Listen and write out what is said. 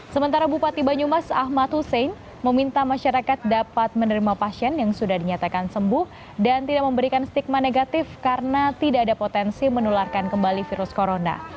sementara bupati banyumas ahmad hussein meminta masyarakat dapat menerima pasien yang sudah dinyatakan sembuh dan tidak memberikan stigma negatif karena tidak ada potensi menularkan kembali virus corona